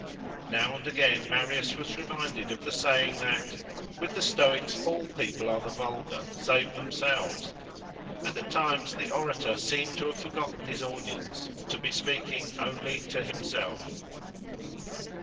Now and again Marius was reminded of the saying that "with the Stoics all people are the vulgar save themselves;" and at times the orator seemed to have forgotten his audience, and to be speaking only to himself.